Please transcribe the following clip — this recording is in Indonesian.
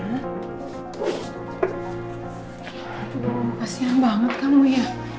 aduh kasian banget kamu ya